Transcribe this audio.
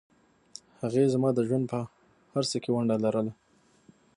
هغې زما د ژوند په هرڅه کې ونډه لرله